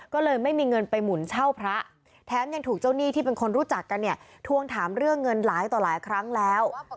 ก็เลยไม่มีเงินไปหมุนเช่าพระแถมยังถูกเจ้าหนี้ที่เป็นคนรู้จักกันเนี่ยทวงถามเรื่องเงินหลายต่อหลายครั้งแล้ว